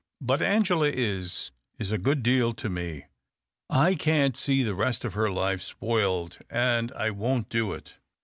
But Angela is — is a good deal to me. I can't see the rest of her life spoiled, and I won't do it.